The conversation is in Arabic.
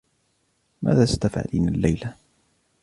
ماذا ستفعلين الليلة؟